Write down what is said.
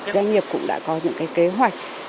doanh nghiệp cũng đã có những cái kế hoạch